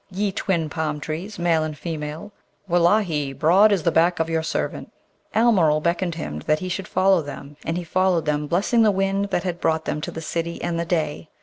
Ye twin palm trees, male and female! Wullahy! broad is the back of your servant.' Almeryl beckoned to him that he should follow them, and he followed them, blessing the wind that had brought them to that city and the day.